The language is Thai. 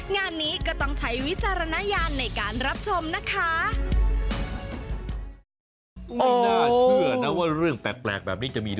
งานนี้ก็ต้องใช้วิจารณญาณในการรับชมนะคะ